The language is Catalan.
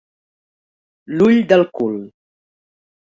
L'ull del cul.